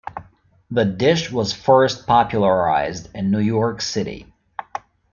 The dish was first popularized in New York City.